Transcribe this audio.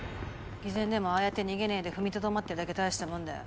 偽善でもああやって逃げねぇで踏みとどまってるだけ大したもんだよ。